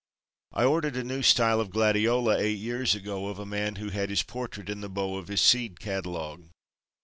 I ordered a new style of gladiola eight years ago of a man who had his portrait in the bow of his seed catalogue.